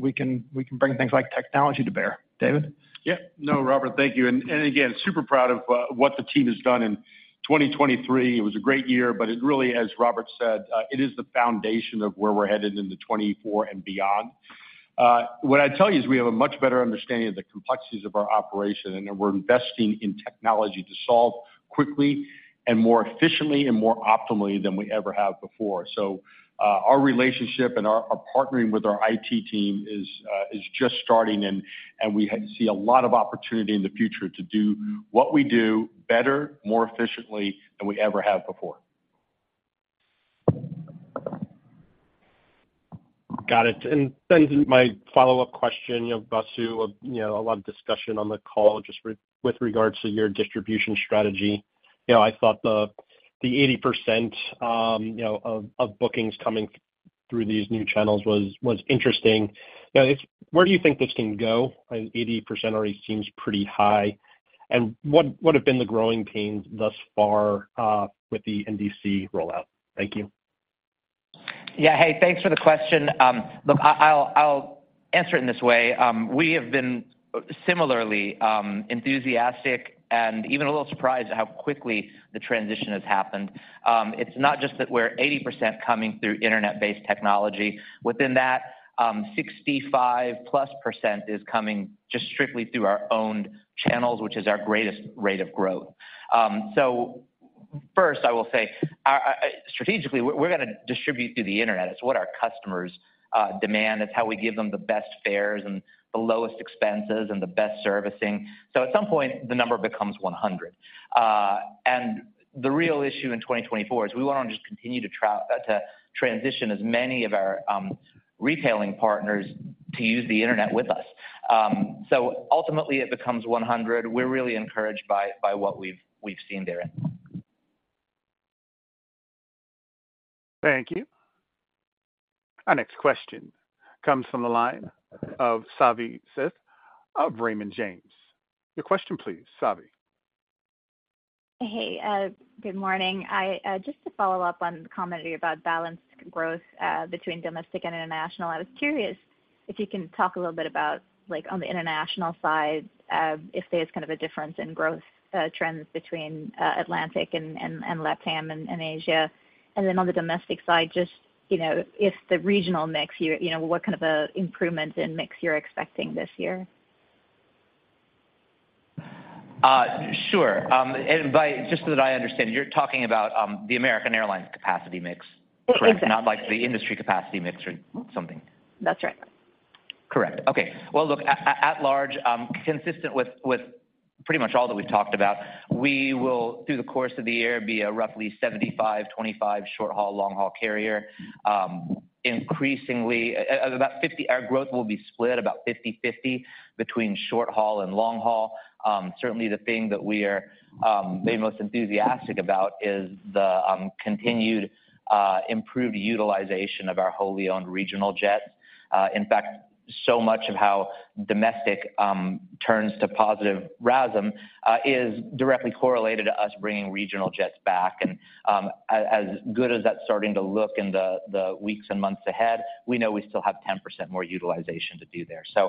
we can bring things like technology to bear. David? Yeah. No, Robert, thank you. And again, super proud of what the team has done in 2023. It was a great year, but it really, as Robert said, it is the foundation of where we're headed into 2024 and beyond. What I'd tell you is we have a much better understanding of the complexities of our operation, and we're investing in technology to solve quickly and more efficiently and more optimally than we ever have before. So, our relationship and our partnering with our IT team is just starting and we see a lot of opportunity in the future to do what we do better, more efficiently than we ever have before. Got it. And then my follow-up question, you know, Vasu, you know, a lot of discussion on the call just with, with regards to your distribution strategy. You know, I thought the, the 80%, you know, of, of bookings coming through these new channels was, was interesting. Now, where do you think this can go? I mean, 80% already seems pretty high. And what, what have been the growing pains thus far, with the NDC rollout? Thank you. Yeah. Hey, thanks for the question. Look, I'll answer it in this way. We have been similarly enthusiastic and even a little surprised at how quickly the transition has happened. It's not just that we're 80% coming through internet-based technology. Within that, 65%+ is coming just strictly through our own channels, which is our greatest rate of growth. So first, I will say, our strategically, we're gonna distribute through the internet. It's what our customers demand. That's how we give them the best fares and the lowest expenses and the best servicing. So at some point, the number becomes 100. And the real issue in 2024 is we want to just continue to transition as many of our retailing partners to use the internet with us. So ultimately, it becomes 100. We're really encouraged by what we've seen there. Thank you. Our next question comes from the line of Savi Syth of Raymond James. Your question please, Savi. Hey, good morning. I just to follow up on the commentary about balanced growth between domestic and international, I was curious if you can talk a little bit about, like, on the international side, if there's kind of a difference in growth trends between Atlantic and Latam and Asia. And then on the domestic side, just, you know, if the regional mix you you know, what kind of a improvement in mix you're expecting this year? Sure. Just so that I understand, you're talking about the American Airlines capacity mix, correct? Exactly. Not like the industry capacity mix or something? That's right. Correct. Okay. Well, look, at large, consistent with pretty much all that we've talked about, we will, through the course of the year, be a roughly 75-25 short-haul, long-haul carrier. Increasingly, about 50, our growth will be split about 50/50 between short haul and long haul. Certainly the thing that we are maybe most enthusiastic about is the continued improved utilization of our wholly owned regional jets. In fact, so much of how domestic turns to positive RASM is directly correlated to us bringing regional jets back. And, as good as that's starting to look in the weeks and months ahead, we know we still have 10% more utilization to do there. So,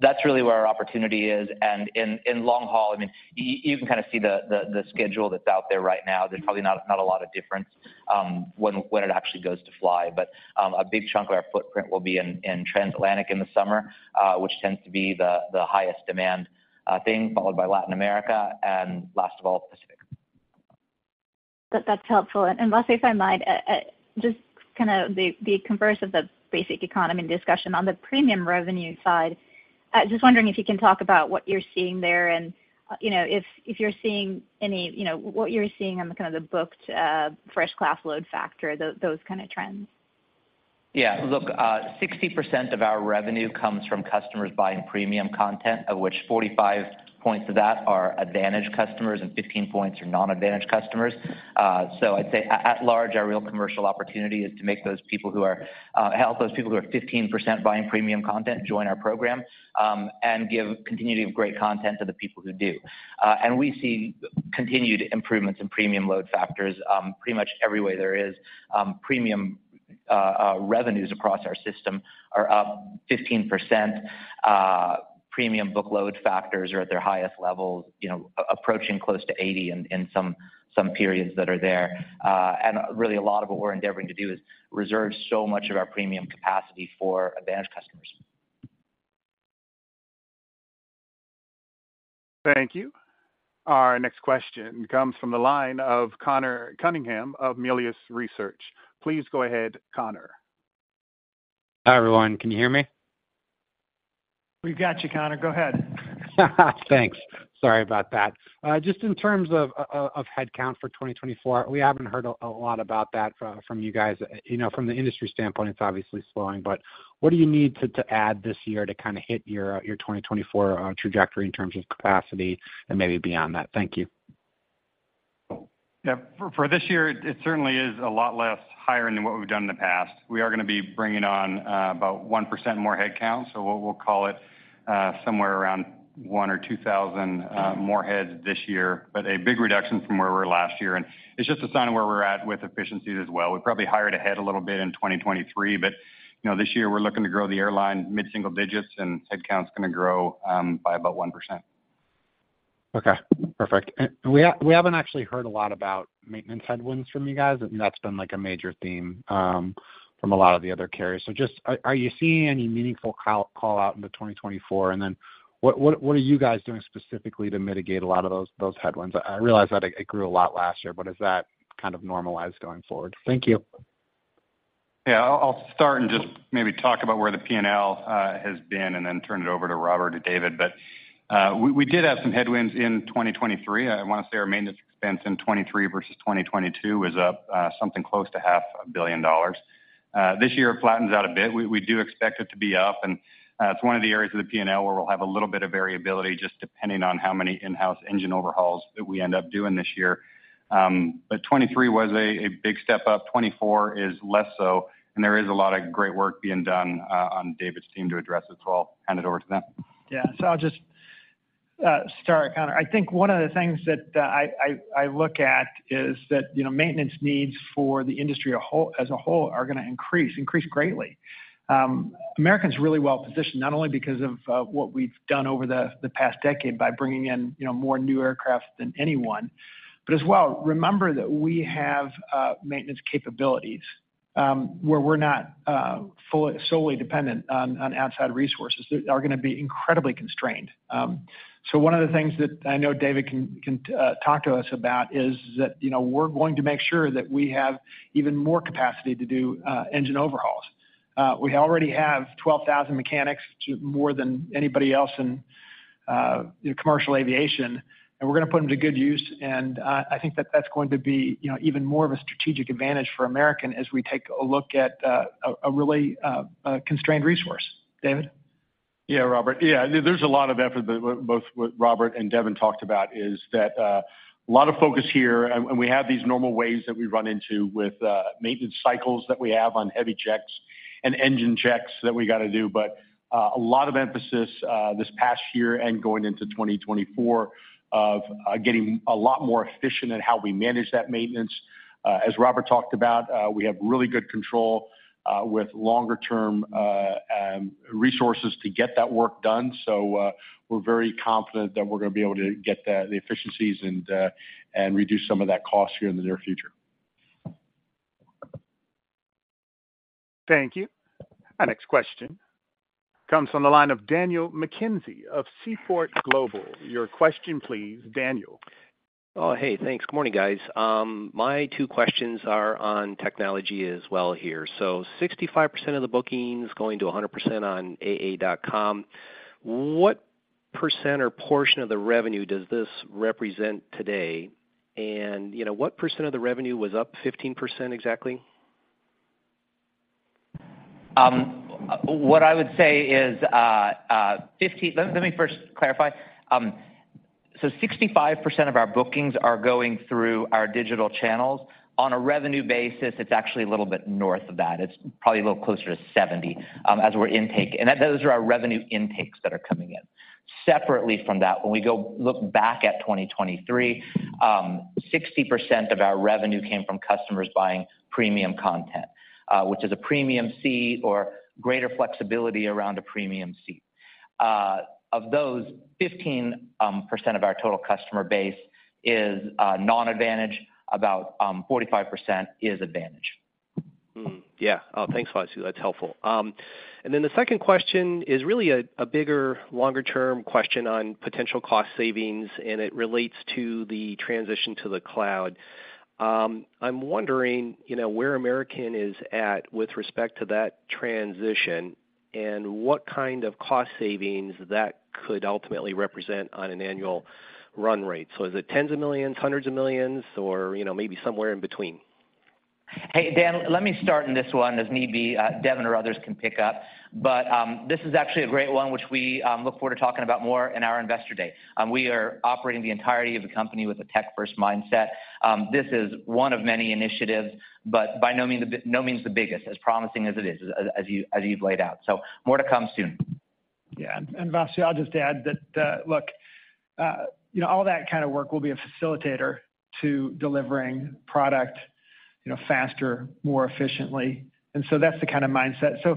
that's really where our opportunity is. In long haul, I mean, you can kind of see the schedule that's out there right now. There's probably not a lot of difference when it actually goes to fly. But a big chunk of our footprint will be in transatlantic in the summer, which tends to be the highest demand thing, followed by Latin America and last of all, Pacific. That's helpful. Vasu, if I might, just kind of the converse of the basic economy discussion on the premium revenue side, just wondering if you can talk about what you're seeing there, and, you know, if you're seeing any, you know, what you're seeing on the kind of the booked first class load factor, those kind of trends. Yeah, look, 60% of our revenue comes from customers buying premium content, of which 45 points of that are Advantage customers and 15 points are non-Advantage customers. So I'd say at large, our real commercial opportunity is to make those people who are help those people who are 15% buying premium content join our program, and give continuity of great content to the people who do. And we see continued improvements in premium load factors, pretty much every way there is. Premium revenues across our system are up 15%. Premium book load factors are at their highest levels, you know, approaching close to 80 in some periods that are there. And really a lot of what we're endeavoring to do is reserve so much of our premium capacity for Advantage customers. Thank you. Our next question comes from the line of Connor Cunningham of Melius Research. Please go ahead, Connor. Hi, everyone. Can you hear me? We've got you, Connor. Go ahead. Thanks. Sorry about that. Just in terms of, of, headcount for 2024, we haven't heard a lot about that from you guys. You know, from the industry standpoint, it's obviously slowing, but what do you need to add this year to kinda hit your 2024 trajectory in terms of capacity and maybe beyond that? Thank you. Yeah, for this year, it certainly is a lot less higher than what we've done in the past. We are gonna be bringing on about 1% more headcount, so we'll call it somewhere around 1,000 or 2,000 more heads this year, but a big reduction from where we were last year. And it's just a sign of where we're at with efficiencies as well. We probably hired ahead a little bit in 2023, but, you know, this year we're looking to grow the airline mid-single digits, and headcount's gonna grow by about 1%. Okay, perfect. We haven't actually heard a lot about maintenance headwinds from you guys, and that's been, like, a major theme from a lot of the other carriers. Are you seeing any meaningful call-out into 2024? And then what are you guys doing specifically to mitigate a lot of those headwinds? I realize that it grew a lot last year, but is that kind of normalized going forward? Thank you. Yeah, I'll start and just maybe talk about where the P&L has been, and then turn it over to Robert and David. But we did have some headwinds in 2023. I want to say our maintenance expense in 2023 versus 2022 was up something close to $500 million. This year, it flattens out a bit. We do expect it to be up, and it's one of the areas of the P&L where we'll have a little bit of variability, just depending on how many in-house engine overhauls that we end up doing this year. But 2023 was a big step up. 2024 is less so, and there is a lot of great work being done on David's team to address it, so I'll hand it over to them. Yeah, so I'll just start, Connor. I think one of the things that I look at is that, you know, maintenance needs for the industry as a whole are gonna increase greatly. American's really well-positioned, not only because of what we've done over the past decade by bringing in, you know, more new aircraft than anyone, but as well, remember that we have maintenance capabilities where we're not fully solely dependent on outside resources that are gonna be incredibly constrained. So one of the things that I know David can talk to us about is that, you know, we're going to make sure that we have even more capacity to do engine overhauls. We already have 12,000 mechanics, more than anybody else in commercial aviation, and we're gonna put them to good use, and I think that that's going to be, you know, even more of a strategic advantage for American as we take a look at a really constrained resource. David? Yeah, Robert. Yeah, there's a lot of effort, but both what Robert and Devon talked about is that a lot of focus here, and we have these normal waves that we run into with maintenance cycles that we have on heavy checks and engine checks that we gotta do. But a lot of emphasis this past year and going into 2024 of getting a lot more efficient in how we manage that maintenance. As Robert talked about, we have really good control with longer-term resources to get that work done. So we're very confident that we're gonna be able to get the efficiencies and reduce some of that cost here in the near future. Thank you. Our next question comes from the line of Daniel McKenzie of Seaport Global. Your question, please, Daniel. Oh, hey, thanks. Good morning, guys. My two questions are on technology as well here. So 65% of the bookings going to 100% on aa.com, what percent or portion of the revenue does this represent today? And, you know, what percent of the revenue was up 15% exactly? What I would say is, let me first clarify. So 65% of our bookings are going through our digital channels. On a revenue basis, it's actually a little bit north of that. It's probably a little closer to 70%, as we're intake, and those are our revenue intakes that are coming in. Separately from that, when we go look back at 2023, 60% of our revenue came from customers buying premium content, which is a premium seat or greater flexibility around a premium seat. Of those, 15% of our total customer base is non-AAdvantage, about 45% is AAdvantage. Yeah. Oh, thanks, Vasu, that's helpful. And then the second question is really a bigger, longer-term question on potential cost savings, and it relates to the transition to the cloud. I'm wondering, you know, where American is at with respect to that transition and what kind of cost savings that could ultimately represent on an annual run rate? So is it $10s of millions, $100s of millions, or, you know, maybe somewhere in between? Hey, Dan, let me start on this one. As need be, Devon or others can pick up. But, this is actually a great one, which we look forward to talking about more in our Investor Day. We are operating the entirety of the company with a tech-first mindset. This is one of many initiatives, but by no means the biggest, as promising as it is, as you've laid out. So more to come soon. Yeah, and Vasu, I'll just add that, look, you know, all that kind of work will be a facilitator to delivering product, you know, faster, more efficiently, and so that's the kind of mindset. So,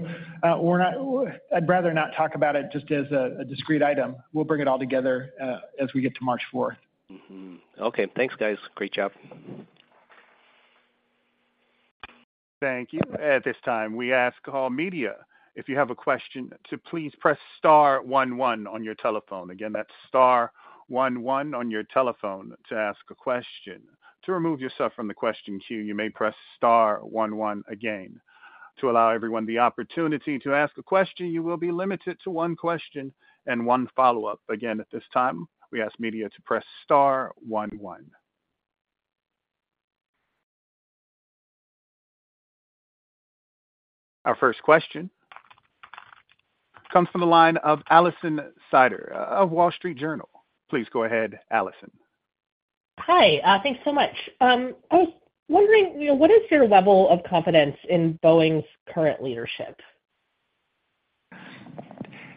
we're not. I'd rather not talk about it just as a discrete item. We'll bring it all together, as we get to March fourth. Mm-hmm. Okay, thanks, guys. Great job. Thank you. At this time, we ask all media, if you have a question, to please press star one one on your telephone. Again, that's star one one on your telephone to ask a question. To remove yourself from the question queue, you may press star one one again. To allow everyone the opportunity to ask a question, you will be limited to one question and one follow-up. Again, at this time, we ask media to press star one one. Our first question comes from the line of Alison Sider of Wall Street Journal. Please go ahead, Alison. Hi, thanks so much. I was wondering, you know, what is your level of confidence in Boeing's current leadership?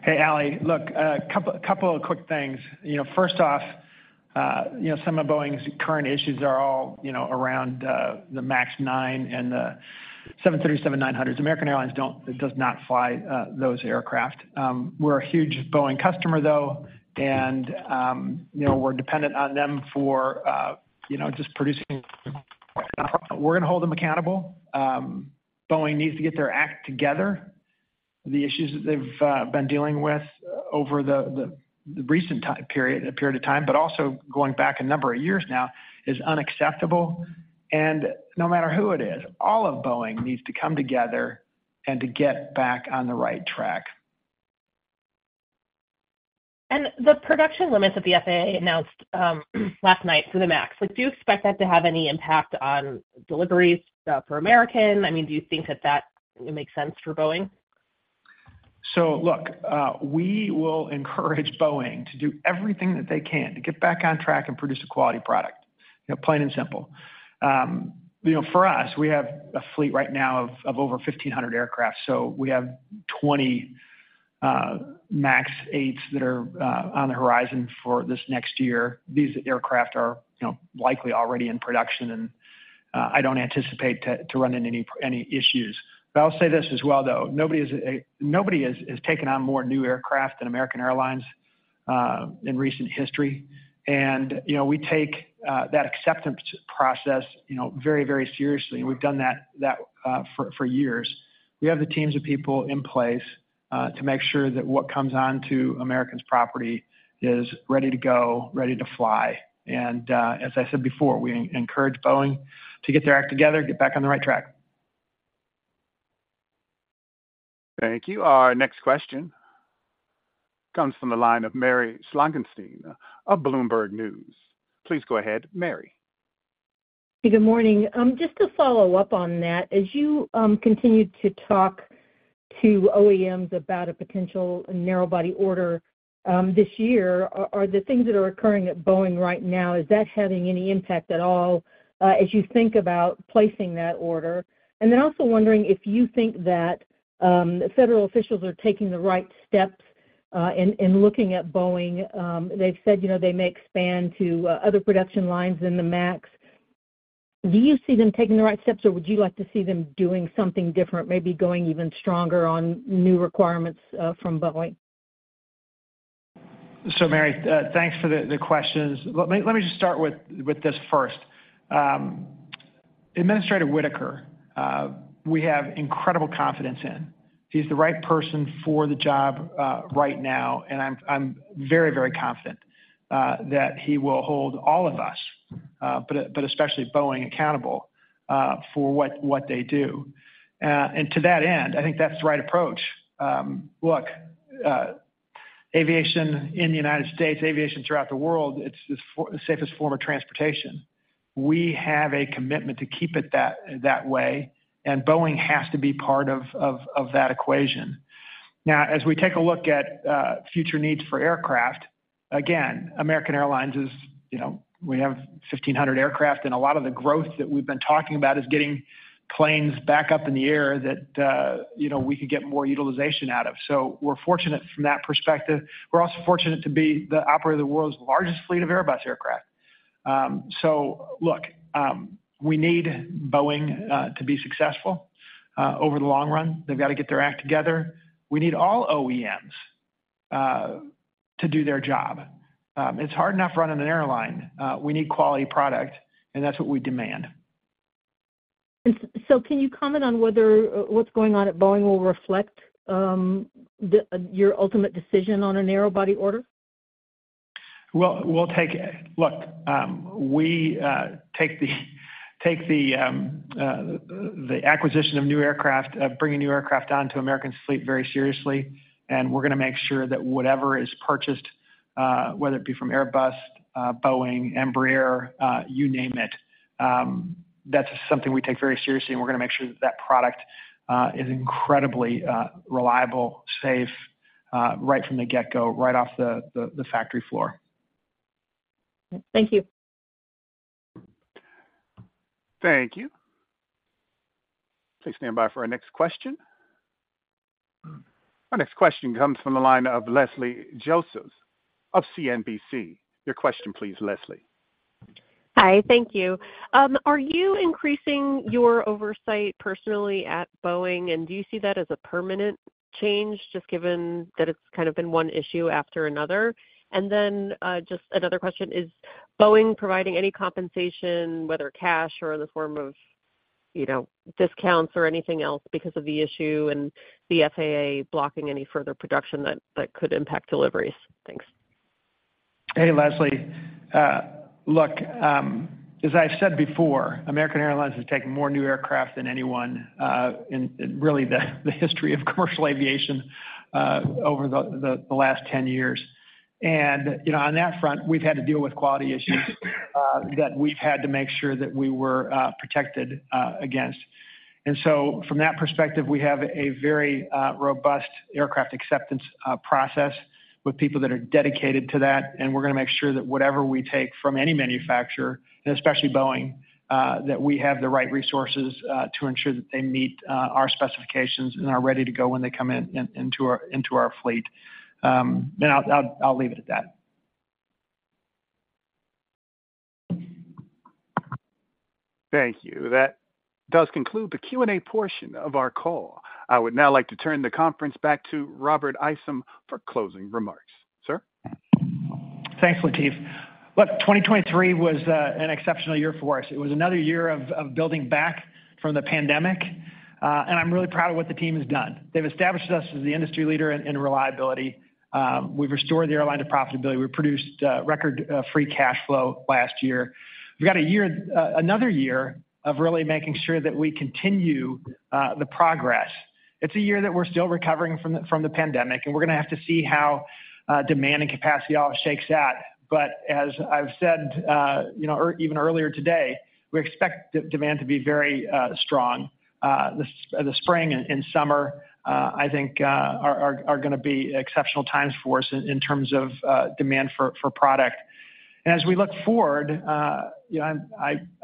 Hey, Ally, look, a couple of quick things. You know, first off, some of Boeing's current issues are all around the MAX 9 and the 737-900s. American Airlines does not fly those aircraft. We're a huge Boeing customer, though, and you know, we're dependent on them for just producing. We're gonna hold them accountable. Boeing needs to get their act together. The issues that they've been dealing with over the recent period of time, but also going back a number of years now, is unacceptable. And no matter who it is, all of Boeing needs to come together and to get back on the right track. The production limits that the FAA announced last night for the MAX, like, do you expect that to have any impact on deliveries for American? I mean, do you think that that makes sense for Boeing? So, look, we will encourage Boeing to do everything that they can to get back on track and produce a quality product, you know, plain and simple. You know, for us, we have a fleet right now of over 1,500 aircraft, so we have 20 MAX 8s that are on the horizon for this next year. These aircraft are, you know, likely already in production, and I don't anticipate to run into any issues. But I'll say this as well, though, nobody has taken on more new aircraft than American Airlines in recent history, and, you know, we take that acceptance process, you know, very, very seriously, and we've done that for years. We have the teams of people in place to make sure that what comes on to American's property is ready to go, ready to fly. As I said before, we encourage Boeing to get their act together, get back on the right track. Thank you. Our next question comes from the line of Mary Schlangenstein of Bloomberg News. Please go ahead, Mary. Good morning. Just to follow up on that, as you continue to talk to OEMs about a potential narrow body order this year, are the things that are occurring at Boeing right now having any impact at all as you think about placing that order? And then also wondering if you think that federal officials are taking the right steps in looking at Boeing. They've said, you know, they may expand to other production lines in the MAX. Do you see them taking the right steps, or would you like to see them doing something different, maybe going even stronger on new requirements from Boeing? So Mary, thanks for the questions. Let me just start with this first. Administrator Whitaker, we have incredible confidence in. He's the right person for the job right now, and I'm very confident that he will hold all of us, but especially Boeing, accountable for what they do. And to that end, I think that's the right approach. Look, aviation in the United States, aviation throughout the world, it's the safest form of transportation. We have a commitment to keep it that way, and Boeing has to be part of that equation. Now, as we take a look at future needs for aircraft, again, American Airlines is, you know, we have 1,500 aircraft, and a lot of the growth that we've been talking about is getting planes back up in the air that, you know, we could get more utilization out of. So we're fortunate from that perspective. We're also fortunate to be the operator of the world's largest fleet of Airbus aircraft. So look, we need Boeing to be successful over the long run. They've got to get their act together. We need all OEMs to do their job. It's hard enough running an airline. We need quality product, and that's what we demand. Can you comment on whether what's going on at Boeing will reflect your ultimate decision on a narrow-body order? Well, we'll take. Look, we take the acquisition of new aircraft, of bringing new aircraft down to American fleet very seriously, and we're gonna make sure that whatever is purchased, whether it be from Airbus, Boeing, Embraer, you name it, that's something we take very seriously, and we're gonna make sure that that product is incredibly reliable, safe, right from the get-go, right off the factory floor. Thank you. Thank you. Please stand by for our next question. Our next question comes from the line of Leslie Josephs of CNBC. Your question please, Leslie. Hi, thank you. Are you increasing your oversight personally at Boeing, and do you see that as a permanent change, just given that it's kind of been one issue after another? And then, just another question, is Boeing providing any compensation, whether cash or in the form of, you know, discounts or anything else because of the issue and the FAA blocking any further production that could impact deliveries? Thanks. Hey, Leslie. Look, as I've said before, American Airlines has taken more new aircraft than anyone in really the history of commercial aviation over the last 10 years. And, you know, on that front, we've had to deal with quality issues that we've had to make sure that we were protected against. And so from that perspective, we have a very robust aircraft acceptance process with people that are dedicated to that, and we're gonna make sure that whatever we take from any manufacturer, and especially Boeing, that we have the right resources to ensure that they meet our specifications and are ready to go when they come in, into our fleet. And I'll leave it at that. Thank you. That does conclude the Q&A portion of our call. I would now like to turn the conference back to Robert Isom for closing remarks. Sir? Thanks, Lateef. Look, 2023 was an exceptional year for us. It was another year of building back from the pandemic, and I'm really proud of what the team has done. They've established us as the industry leader in reliability. We've restored the airline to profitability. We produced record free cash flow last year. We've got another year of really making sure that we continue the progress. It's a year that we're still recovering from the pandemic, and we're gonna have to see how demand and capacity all shakes out. But as I've said, you know, or even earlier today, we expect the demand to be very strong. The spring and summer, I think, are gonna be exceptional times for us in terms of demand for product. And as we look forward, you know,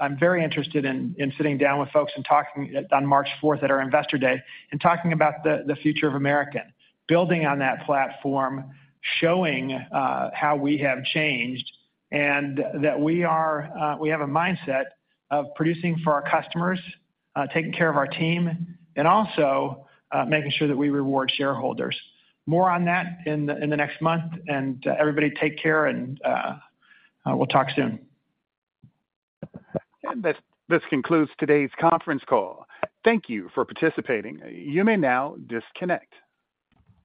I'm very interested in sitting down with folks and talking on March fourth at our Investor Day and talking about the future of American. Building on that platform, showing how we have changed and that we have a mindset of producing for our customers, taking care of our team, and also making sure that we reward shareholders. More on that in the next month, and everybody take care, and we'll talk soon. This concludes today's conference call. Thank you for participating. You may now disconnect.